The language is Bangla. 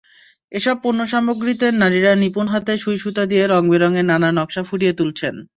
এসব পণ্যসামগ্রীতে নারীরা নিপুণ হাতে সুঁই-সুতা দিয়ে রংবেরঙের নানা নকশা ফুটিয়ে তুলছেন।